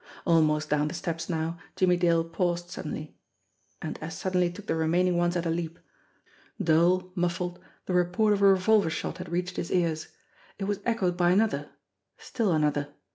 Almost down the steps now, Jimmie Dale paused suddenly and as suddenly took the remaining ones at a leap. Dull, muffled, the report of a revolver shot had reached his ears. It was echoed by another still another.